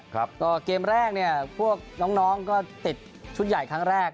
ครับก็เกมแรกเนี่ยพวกน้องน้องก็ติดชุดใหญ่ครั้งแรก